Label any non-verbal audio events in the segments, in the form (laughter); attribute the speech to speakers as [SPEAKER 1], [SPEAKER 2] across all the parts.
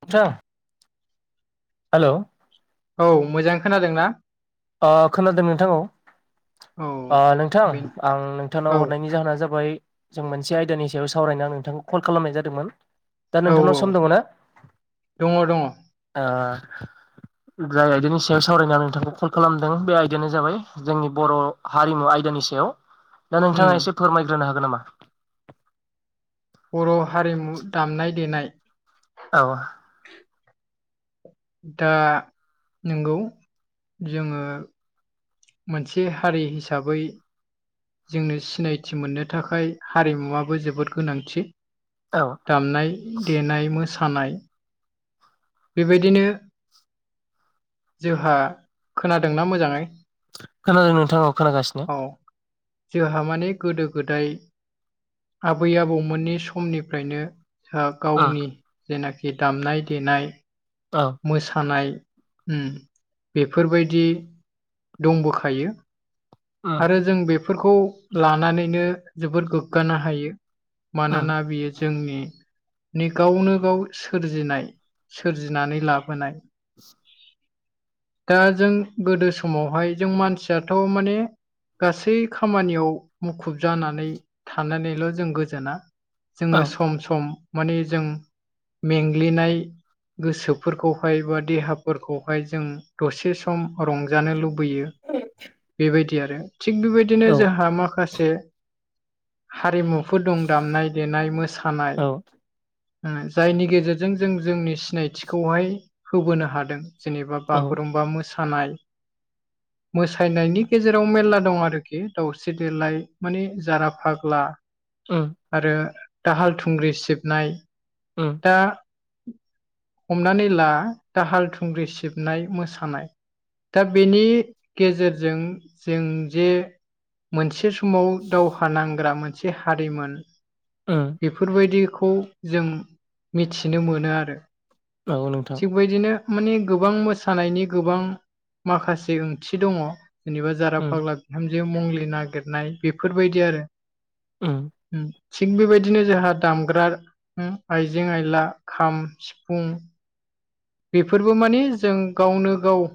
[SPEAKER 1] नोंथां। हेल'
[SPEAKER 2] औ मोजां खोनादोंना।
[SPEAKER 1] खोनादों
[SPEAKER 2] औ
[SPEAKER 1] नोंथां‌ङा नोंथां
[SPEAKER 2] बे
[SPEAKER 1] आं
[SPEAKER 2] औ
[SPEAKER 1] नोंथांनाव हरनायनि जाहोना जाबाय जों मोनसे आयदानि सायाव सावरायनानै आं नोंथांखौ कल खालामनाय जादोंमोन दा
[SPEAKER 2] औ
[SPEAKER 1] नोंथांनाव
[SPEAKER 2] औ
[SPEAKER 1] सम दङ ना?
[SPEAKER 2] दङ दङ
[SPEAKER 1] ओ (unintelligible) आदिनि (unintelligible) सायाव सावरायनानै नोंथांखौ खालामदों बे आयदायानो जाबाय जोंनि बर' हारिमु आयदानि सायाव दा
[SPEAKER 2] उम
[SPEAKER 1] नोंथाङा एसे फोरमायग्रोनो हागोन नामा?
[SPEAKER 2] बर' हारिमु दामनाय देनाय
[SPEAKER 1] औ।
[SPEAKER 2] दा नंगौ जोङो मोनसे हारि हिसाबै जोंनो सिनायथि मोननो थाखाय हारिमुवाबो जोबोद गोनांथि।
[SPEAKER 1] औ
[SPEAKER 2] दामनाय देनाय मोसानाय बेबायदिनो जोंहा खोनादोंना मोजाङै।
[SPEAKER 1] खोनादों नोंथां औ खोनागासिनो
[SPEAKER 2] औ जोंहा माने गोदो गोदाय आबै आबौमोननि समनिफ्रायनो ओ
[SPEAKER 1] उम
[SPEAKER 2] गावनि जेनाखि दामनाय-देनाय
[SPEAKER 1] औ
[SPEAKER 2] मोसानाय ओम बेफोरबायदि दंबोखायो
[SPEAKER 1] उम
[SPEAKER 2] आरो जों बेफोरखौ लानानैनो जोबोर गोग्गानो हायो।
[SPEAKER 1] उम
[SPEAKER 2] मानोना बियो जोंनि नि गावनो गाव सोरजिनाय सोरजिनानै लाबोनाय।
[SPEAKER 1] (unintelligible)
[SPEAKER 2] दा जों गोदो समावहाय जों मानसियाथ' माने गासै खामानियाव मुखुब जानानै थानानैल' जों गोजोना।
[SPEAKER 1] औ
[SPEAKER 2] जोङो सम सम माने जों मेंग्लिनाय गोसोफोरखौहाय बा देहाफोरखौहाय जों दसे सम रंजानो लुबैयो। फैयो बेबायदि आरो थि बेबायदिनो
[SPEAKER 1] औ
[SPEAKER 2] जों माखासे बे हारिमुफोर दं दामनाय देनाय मोसानाय
[SPEAKER 1] औ
[SPEAKER 2] जायनि गेजेरजों जों जोंनि सिनायथिखौहाय होबोनो हादों। जेनेबा
[SPEAKER 1] औ
[SPEAKER 2] बागुरुमबा मोसानाय मोसानायनि गेजेराव मेरला दं आरोखि दावउस्रि देलाय माने जारा फाग्ला
[SPEAKER 1] उम
[SPEAKER 2] आरो दाहाल थुंग्रि सिबनाय
[SPEAKER 1] उम
[SPEAKER 2] दा हमनानै ला दाहाल थुंग्रि सिबनाय मोसानाय दा बेनि गेजेरजों जों जे मोनसे समाव दावहा नांग्रा मोनसे हारिमोन।
[SPEAKER 1] उम
[SPEAKER 2] बेफोरबायदिखौ जों मिथिनो मोनो आरो।
[SPEAKER 1] औ नोंथां
[SPEAKER 2] थिख बेबायदिनो माने गोबां मोसानायनि गोबां माखासे ओंथि दङ। जेनेबा जारा
[SPEAKER 1] उम
[SPEAKER 2] फाग्ला बिहामजो मंलि नागिरनाय बेफोरबायदि आरो
[SPEAKER 1] उम
[SPEAKER 2] होम थिग बेबायदिनो जोंहा दामग्रा आइजें आयला खाम सिफुं बेफोरबो माने जों गावनो गाव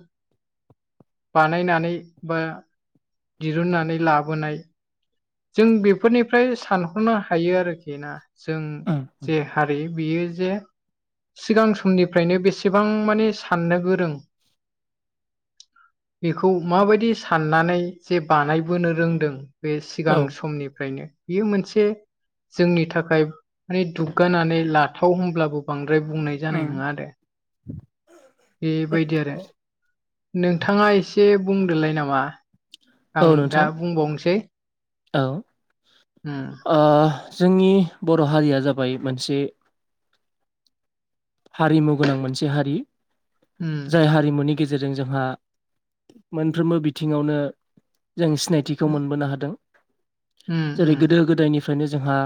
[SPEAKER 2] बानायनानै बा दिरुननानै लाबोनाय जों बेफोरनिफ्राय सानहरनो हायो आरोखि ना जों
[SPEAKER 1] उम
[SPEAKER 2] जे हारि बियो जे सिगां समनिफ्रायनो बेसेबां माने साननो गोरों बेखौ माबायदि साननानै जे बानायबोनो रोंदों बे सिगां
[SPEAKER 1] औ
[SPEAKER 2] समनिफ्रायनो बेयो मोनसे जोंनि थाखाय माने दुग्गानानै लाथाव होनोमब्लाबो बांद्रा द्राय बुंनाय जानाय
[SPEAKER 1] उम
[SPEAKER 2] नङा आरो बेबायदि आरो नोंथाङा एसे बुंदोलाय नामा
[SPEAKER 1] औ
[SPEAKER 2] आं
[SPEAKER 1] नोंथां
[SPEAKER 2] दा बुंबावनोसै
[SPEAKER 1] औ
[SPEAKER 2] उम
[SPEAKER 1] ओ जोंनि बर' हारिया जाबाय मोनसे हारिमु गोनां मोनसे हारि
[SPEAKER 2] उम
[SPEAKER 1] जाय हारिमुनि गेजेरजों जोंहा मोनफ्रोमबो बिथिङावनो जों सिनायथिखौ मोनबोनो हादों
[SPEAKER 2] उम
[SPEAKER 1] जेरै गोदो गोदायनि निफ्रायनो जोंहा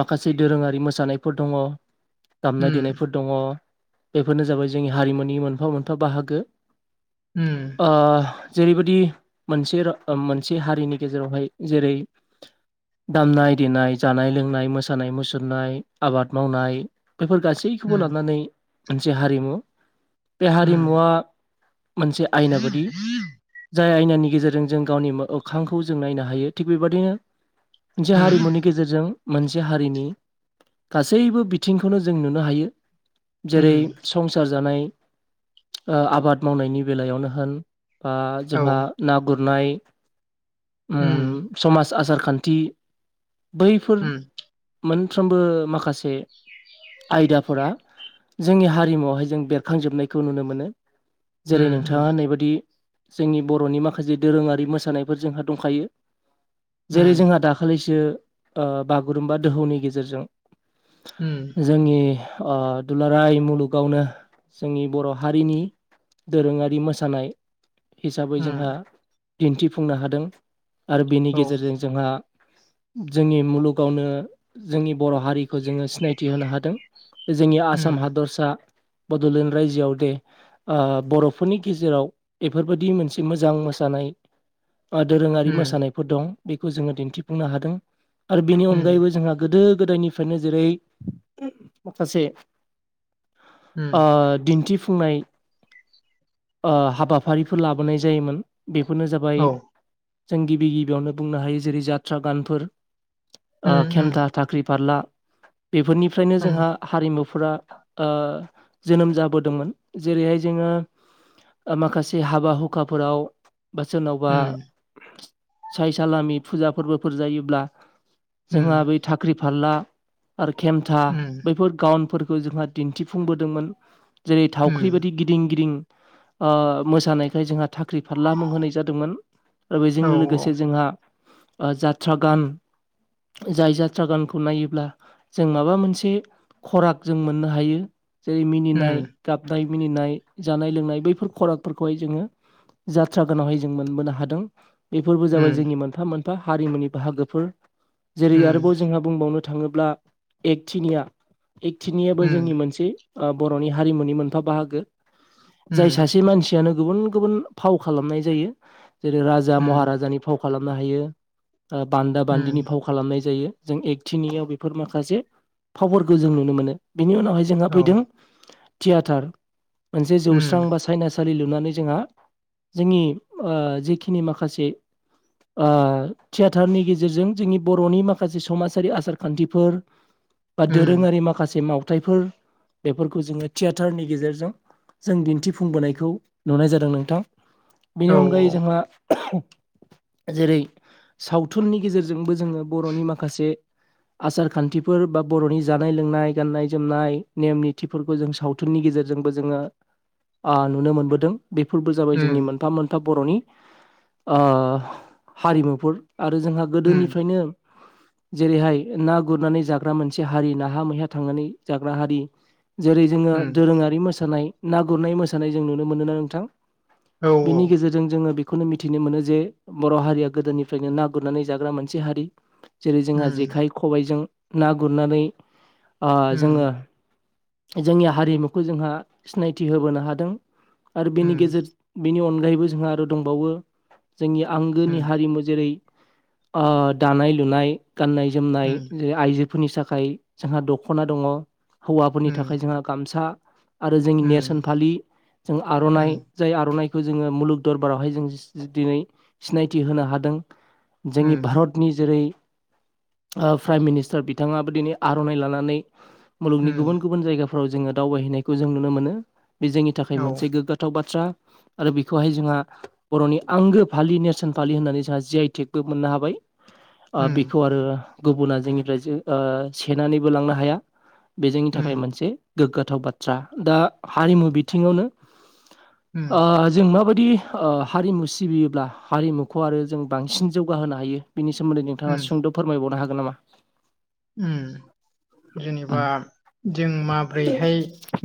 [SPEAKER 1] माखासे दोरोङारि मोसानायफोर दङ। दामनाय
[SPEAKER 2] उम
[SPEAKER 1] देनायफोर दङ बेफोरनो जाबाय जोंनि हारिमुनि मोनफा मोनफा बाहागो
[SPEAKER 2] उम
[SPEAKER 1] अ जेरैबायदि मोनसे मोनसे हारिनि गेजेरावहाय जेरै दामनाय देनाय जानाय लोंनाय मोसानाय मुसुरनाय आबाद मावनाय बेफोर गासैखौबो
[SPEAKER 2] उम
[SPEAKER 1] लानानै मोनसे हारिमु बे
[SPEAKER 2] उम
[SPEAKER 1] हारिमुवा मोनसे आयना बायदि जाय आयनानि गेजेरजों जों गावनि मोखांखौ जों नायनो हायो थिग बेबायदिनो मोनसे
[SPEAKER 2] उम
[SPEAKER 1] हारिमुनि गेजेरजों मोनसे हारिनि गासैबो बिथिंखौनो जों नुनो हायो जेरै
[SPEAKER 2] उम
[SPEAKER 1] संसार जानाय आबाद मावनायनि बेलायावनो होन बा
[SPEAKER 2] औ
[SPEAKER 1] जोंहा ना गुरनाय
[SPEAKER 2] उम
[SPEAKER 1] समाज आसार खान्थि बैफोर
[SPEAKER 2] उम
[SPEAKER 1] मोन फ्रोमबो माखासे आयदाफोरा जोंनि हारिमुआवहाय जों बेरखांजोबनायखौ नुनो मोनो। जेरै
[SPEAKER 2] उम
[SPEAKER 1] नोंथाङा नैबायदि जोंनि बर'नि माखासे दोरोङारि मोसानायफोर जोंहा दंखायो।
[SPEAKER 2] उम
[SPEAKER 1] जेरै जोंहा दाखालिसो बागुरुम्बा दोहौनि गेजेरजों
[SPEAKER 2] उम
[SPEAKER 1] जोंनि दुलाराय मुलुगावनो जोंनि बर' हारिनि दोरोङारि मोसानाय हिसाबै जोंहा
[SPEAKER 2] उम
[SPEAKER 1] दिन्थिफुंनो हादों आरो बेनि
[SPEAKER 2] औ
[SPEAKER 1] गेजेरजों जोंहा जोंनि मुलुगावनो जोंनि बर' हारिखौ जोङो सिनायथि होनो हादों जोंनि आसाम
[SPEAKER 2] उम
[SPEAKER 1] हादरसा बड'लेण्ड रायजोआव दे बर'फोरनि गेजेराव बेफोरबायदि मोनसे मोजां मोसानाय (inaudible) दोरोङारि
[SPEAKER 2] उम
[SPEAKER 1] मोसानायफोर दं बेखौ जोङो दिन्थिफुंनो हादों आरो बेनि
[SPEAKER 2] उम
[SPEAKER 1] अनगायैबो जोंहा गोदो गोदोनिफ्रायनो जेरै माखासे
[SPEAKER 2] उम
[SPEAKER 1] दिन्थिफु फुंनाय हाबाफारिफोर लाबोनाय जायोमोन बेफोरनो जाबाय
[SPEAKER 2] औ
[SPEAKER 1] जों गिबि गिबियावनो बुंनो हायो जेरै जात्रा गानफोर आ
[SPEAKER 2] उम उम
[SPEAKER 1] खेमथा थाख्रि फारला बेफोरनिफ्रायनो
[SPEAKER 2] उम
[SPEAKER 1] जोंहा हारिमुफोरा जोनोम जाबोदोंमोन जेरैहाय जोङो माखासे हाबा हुखाफोराव बा सोरनावबा
[SPEAKER 2] उम
[SPEAKER 1] साय सालामि फुजा फोरबोफोर जायोब्ला जोंहा
[SPEAKER 2] उम
[SPEAKER 1] बै थाख्रि फारला आरो खेमथा
[SPEAKER 2] उम
[SPEAKER 1] बैफोर गाउनफोरखौ जोंहा दिन्थिफुंबोदोंमोन जेरै थावख्रि
[SPEAKER 2] उम
[SPEAKER 1] बायदि गिदिं गिदिं मोसानायखाय जोंहा साख्रि फारला मुं होनाय जादोंमोन आरो बेजों
[SPEAKER 2] औ
[SPEAKER 1] लोगोसे जोंहा जात्रा गान जाय जात्रा गानखौ नायोब्ला जों माबा मोनसे खराग जों मोननो हायो जेरै मिनिनाय
[SPEAKER 2] उम
[SPEAKER 1] गाबनाय मिनिनाय जानाय लोंनाय बैफोर खरागफोरखौहाय जोङो जात्रा गानावहाय जों मोनबोनो हादों बेफोरबो जाबाय
[SPEAKER 2] उम
[SPEAKER 1] जोंनि मोनफा मोनफा हारिमुनि बाहागोफोर जेरै
[SPEAKER 2] उम
[SPEAKER 1] आरोबाव जोंहा बुंबावनो थाङोब्ला एकटिनिया एकटिनियाबो
[SPEAKER 2] उम
[SPEAKER 1] जोंनि मोनसे बर'नि हारिमुनि मोनफा बाहागो जाय
[SPEAKER 2] उम
[SPEAKER 1] सासे मानसियानो गुबुन गुबुन फाव खालामनाय जायो जेरै राजा
[SPEAKER 2] उम
[SPEAKER 1] महाराजानि फाव खालामनो हायो। बान्दा बान्दिनि
[SPEAKER 2] उम
[SPEAKER 1] फाव खालामनाय जायो जों एकथिनियाव बे फोर माखासे फावफोरखौ जों नुनो मोनो बिनि उनावहाय जोंहा
[SPEAKER 2] औ
[SPEAKER 1] फैदों थियाटार मोनसे जौस्रां
[SPEAKER 2] उम
[SPEAKER 1] बा साइना सालि लुनानै जोंहा जोंनि जेखिनि माखासे आ थियाेटारनि गेजेरजों जोंनि बर'नि माखासे समाजारि आसार खान्थिफोर बा
[SPEAKER 2] उम
[SPEAKER 1] दोरोङारि माखासे मावथाइफोर बेफोरखौ जोङो थियेटारनि गेजेरजों जों दिन्थिफुंबोनायखौ नुनाय जादों नोंथां बेनि
[SPEAKER 2] औ
[SPEAKER 1] अनगायै जोंहा जेरै सावथुननि गेजेरजोंबो जोङो बर'नि माखासे आसार खान्थिफोर बा बर'नि जानाय लोंनाय गान्नाय जोमनाय नेम निथिफोरखौ जों सावथुननि गेजेरजों बो जोङो आ नुनो मोनबोदों। बेफोरबो जाबाय जोंनि
[SPEAKER 2] उम
[SPEAKER 1] मोनफा मोनफा बर'नि आ हारिमुफोर आरो जोंहा
[SPEAKER 2] उम
[SPEAKER 1] गोदोनिफ्रायनो जेरैहाय ना गुरनानै जाग्रा मोनसे हारि नाहा मैया थांनानै जाग्रा हारि जेरै जोङो
[SPEAKER 2] उम
[SPEAKER 1] दोरोङारि मोसानाय ना गुरनाय मोसानाय जों नुनो मोनो ना नोंथां
[SPEAKER 2] औ औ
[SPEAKER 1] बेनि गेजेरजों जोङो बेखौनो मिथिनो मोनो जे बर' हारिया गोदोनिफ्रायनो ना गुरनानै जाग्रा मोनसे हारि। जेरै जोंहा
[SPEAKER 2] उम
[SPEAKER 1] जेखाइ खबाइजों ना गुरनानै आ
[SPEAKER 2] उम
[SPEAKER 1] जोङो जोंनि हारिमुखौ जोंहा सिनायथि होबोनो हादों आरो बेनि
[SPEAKER 2] उम
[SPEAKER 1] गेजेर बेनि अन गायैबो जोंहा आरो दंबावो जोंनि
[SPEAKER 2] उम
[SPEAKER 1] आंगोनि हारिमु जेरै आ दानाय लुनाय गाननाय जोमनाय
[SPEAKER 2] उम
[SPEAKER 1] ज आइजो फोरनि थाखाय जोंहा दख'ना दङ हौवाफोरनि थाखाय जोंहा गामसा आरो जोंनि नेरसोन
[SPEAKER 2] उम
[SPEAKER 1] फालि जों आर'नाइ जाय आर'नाइ खौ जोङो मुलुग दरबारावहाय जों दिनै सिनायथि होनो हादों। जोंनि
[SPEAKER 2] उम
[SPEAKER 1] भारतनि जेरै प्राइम मिनिस्टार बिथाङाबो दिनै आर'नाइ लानानै
[SPEAKER 2] उम
[SPEAKER 1] मुलुगनि गुबुन गुबुन जायगा फोराव जोङो दावबायहैनायखौ जों नुनो मोनो बे जोंनि थाखाय
[SPEAKER 2] औ
[SPEAKER 1] मोनसे गोग्गाथाव बाथ्रा आरो बेखौहाय जोंहा बर'नि आंगो फालि नेरसोन फालि होननानै जोंहा जे आइ टेकबो मोननो हाबाय
[SPEAKER 2] उम
[SPEAKER 1] बेखौ आरो गुबुना जोंनिफ्राय सेनानैबो लांनो हाया। बे जोंनि थाखाय मोनसे गोग्गाथाव बाथ्रा दा हारिमु बिथिङावनो
[SPEAKER 2] उम उम
[SPEAKER 1] ओ जों माबा दि हारिमु सिबियोब्ला हारिमुखौ आरो जों बांसिन जौगाहोनो हायो। बिनि सोमोन्दै नोंथाङा
[SPEAKER 2] उम
[SPEAKER 1] सुंद' फोरमायबावनो हागोन नामा?
[SPEAKER 2] उम
[SPEAKER 1] उम
[SPEAKER 2] जेनेबा जों माब्रैहाय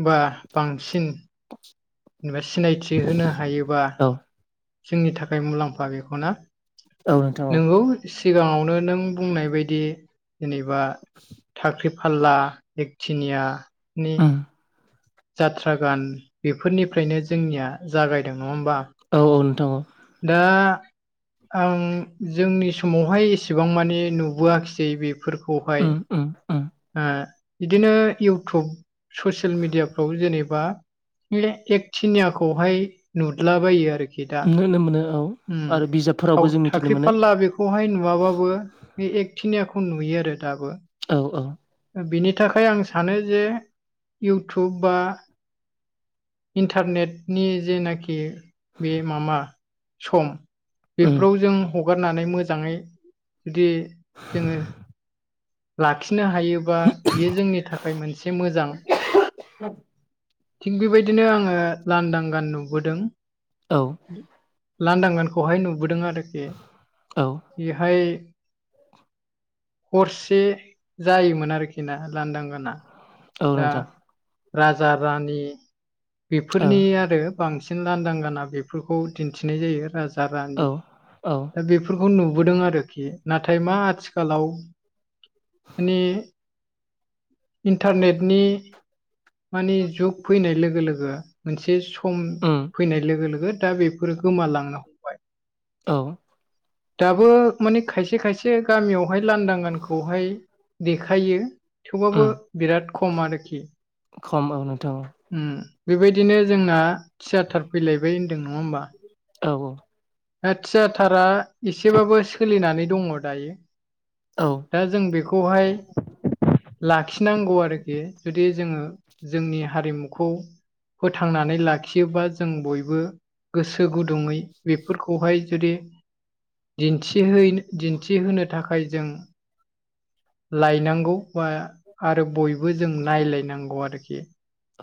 [SPEAKER 2] बा बांसिन जेनेबा सिनायथि होनो हायोबा
[SPEAKER 1] औ
[SPEAKER 2] जोंनि थाखाय मुलाम्फा बेखौना
[SPEAKER 1] औ नोंथां औ
[SPEAKER 2] नोंगौ सिगाङावनो नों बुंनाय बायदि जेने बा थाखाख्रि फाला एकथिनियानि
[SPEAKER 1] उम
[SPEAKER 2] जाथ्रा गान बेफोरनिफ्रायनो जोंनिया जागायदों नङा होमबा
[SPEAKER 1] औ औ नोंथां औ
[SPEAKER 2] दा आं जोंनि समावहाय एसेबां माने नुबोआखिसै बे
[SPEAKER 1] उम
[SPEAKER 2] फोरखौहाय
[SPEAKER 1] उम उम
[SPEAKER 2] आ बिदिनो इउटुब ससियेल मिडियाफ्राव जेने बा बे एक थिनियाखौहाय नुदलाबायो आरो
[SPEAKER 1] नुहोनो (unintelligible) मोनो औ
[SPEAKER 2] उम
[SPEAKER 1] आरो बिजाबफोरावबो जों मिथिनो
[SPEAKER 2] थाखाख्रि
[SPEAKER 1] मोनो
[SPEAKER 2] फालला बेखौहाय नुवाबाबो बे एकटि निखौ नुयो आरो दाबो
[SPEAKER 1] औ औ
[SPEAKER 2] बिनि थाखाय आं सानो जे इउटुब बा इन्टारनेटनि जेनाखि बे माबा सम
[SPEAKER 1] उम
[SPEAKER 2] बेफोराव जों हगारनानै मोजाङै जुदि जोङो लाखिनो हायोबा बेयो जोंनि थाखाय मोनसे मोजां
[SPEAKER 1] (inaudible)
[SPEAKER 2] थिग बेबायदिनो आङो लांदां गान नुबोदों
[SPEAKER 1] औ
[SPEAKER 2] लांदांगान खौहाय नुबोदों आरोखि
[SPEAKER 1] औ
[SPEAKER 2] बेहाय हरसे जायोमोन आरोखिना लांदां गाना
[SPEAKER 1] औ नोंथां
[SPEAKER 2] राजा रानि
[SPEAKER 1] औ
[SPEAKER 2] बेफोरनि आरो बांसिन लांदां गाना बेफोरखौ दिन्थिनाय जायो राजा रानि
[SPEAKER 1] औ औ
[SPEAKER 2] दा बेफोर - बखौ नुबोदों आरोखि नाथाय मा आथिखालाव माने इन्टारनेटनि मानि जुग फैनाय लोगो लोगो मोनसे सम
[SPEAKER 1] उम
[SPEAKER 2] फैनाय लोगो लोगो दा बेफोरो गोमालांनो हमबाय
[SPEAKER 1] औ
[SPEAKER 2] दाबो माने खायसे खायसे गामियावहाय लांदांगानखौहाय देखायो
[SPEAKER 1] उम
[SPEAKER 2] थेवबाबो बिराद खम आरोखि
[SPEAKER 1] खम औ नोंथां
[SPEAKER 2] उम बेबायदिनो जोंना थियाटार फैलायबाय होन्दों नङा होमबा
[SPEAKER 1] औ-औ
[SPEAKER 2] दा थियाथारा एसेबाबो सोलिनानै दङ दायो
[SPEAKER 1] औ
[SPEAKER 2] दा जों बेखौहाय लाखिनांगौ आरो आरोखि जुदि जोङो जोंनि हारिमुखौ फोथांनानै लाखियोबा जों बयबो गोसो गुदुङै बेफोरखौहाय जुदि दिन्थिहैनो दिन्थिहोनो थाखाय जों लायनांगौ बा आरो बयबो जों नायलायनांगौ आरोखि।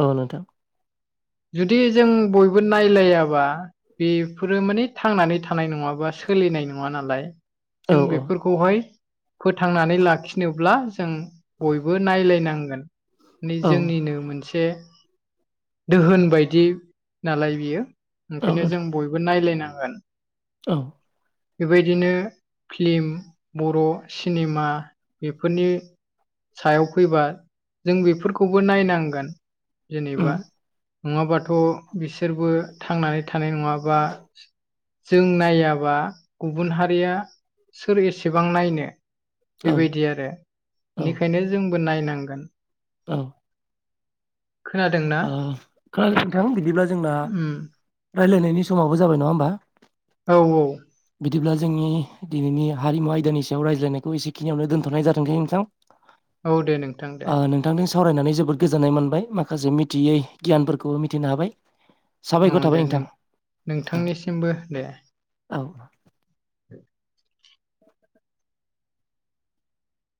[SPEAKER 1] औ नोंथां
[SPEAKER 2] जुदि जों बयबो नायलायाबा बेफोरो माने थांनानै थानाय नङाबा सोलि नाय नङा नालाय
[SPEAKER 1] औ
[SPEAKER 2] जों
[SPEAKER 1] औ
[SPEAKER 2] बेफोरखौहाय फोथांनानै लाखि फिनोब्ला जों बयबो नायलायनांगोन माने
[SPEAKER 1] औ
[SPEAKER 2] जोंनिनो मोनसे दोहोन बायदि नालाय बियो
[SPEAKER 1] औ
[SPEAKER 2] ओंखायनो
[SPEAKER 1] नोंथां
[SPEAKER 2] जों बयबो नायलायनां‌ गोन
[SPEAKER 1] औ
[SPEAKER 2] बेबायदिनो फ्लिम बर' सिनेमा बेफोरनि सायाव फैबा जों बेफोरखौबो नायनांगोन।
[SPEAKER 1] उम
[SPEAKER 2] जेनेबा नङाबाथ' बिसोरबो थांनानै थानाय नङाबा। जों नायाबा गुबुन हारिया सोर एसेबां नायनो
[SPEAKER 1] औ
[SPEAKER 2] बेबायदि आरो
[SPEAKER 1] औ
[SPEAKER 2] बेनिखायनो जोंबो नायनांगोन।
[SPEAKER 1] औ
[SPEAKER 2] खोनादोंना
[SPEAKER 1] अ खोनादोंना नोंथां बिदिब्ला जोंना
[SPEAKER 2] उम
[SPEAKER 1] रायलायनायनि समावबो जाबाय नङा होमबा?
[SPEAKER 2] औ औ
[SPEAKER 1] बिदिब्ला जोंनि दिनैनि हारिमु आयदानि सायाव रायज्लायनायखौ एसेखिनियावनो दोनथ'नाय जाथोंसै नोंथां।
[SPEAKER 2] औ दे नोंथां दे।
[SPEAKER 1] ओ नोंथांजों सावरायनानै जोबोद गोजोन्नाय मोनबाय माखासे मिथियै गियानफोरखौबो मिथिनो हाबाय।
[SPEAKER 2] अ
[SPEAKER 1] साबायखर थाबाय
[SPEAKER 2] दे नों
[SPEAKER 1] नोंथां
[SPEAKER 2] नोंथांनिसिमबो दे।
[SPEAKER 1] औ